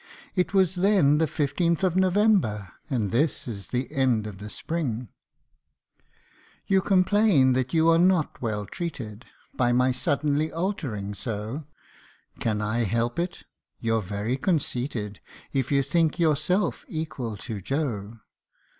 It was then, the fifteenth of November, And this is the end of the spring ! You complain that you are not well treated By my suddenly altering so ; Can I help it ? you're very conceited, If you think yourself equal to Joe.